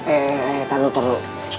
eh eh eh tahan dulu